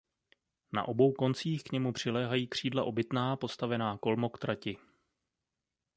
Na obou koncích k němu přiléhají křídla obytná postavená kolmo k trati.